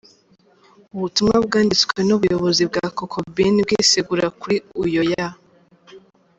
Ubutumwa bwanditswe n’ubuyobozi bwa Cocobean bwisegura kuri Uyauya.